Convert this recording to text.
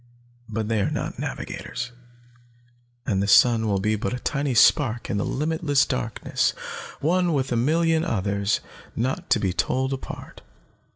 But they are not navigators, and the sun will be but a tiny spark in the limitless darkness, one with a million others, not to be told apart.